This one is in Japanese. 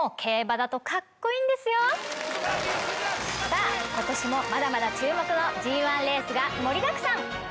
さぁ今年もまだまだ注目のＧⅠレースが盛りだくさん！